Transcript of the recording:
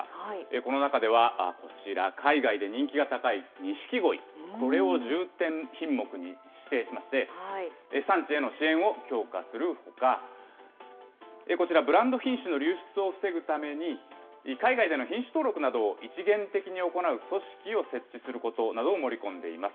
この中ではこちら、海外で人気が高いにしきごい、これを重点品目に指定しまして、産地への支援を強化するほか、こちら、ブランド品種の流出を防ぐために、海外での品種登録などを一元的に行う組織を設置することなどを盛り込んでいます。